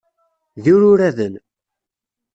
D iruraden.